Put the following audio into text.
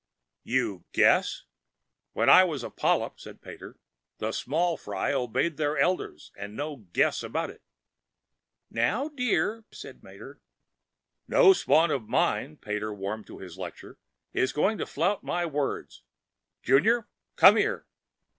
"You guess! When I was a polyp," said Pater, "the small fry obeyed their elders, and no guess about it!" "Now, dear " said Mater. "And no spawn of mine," Pater warmed to his lecture, "is going to flout my words! Junior COME HERE!"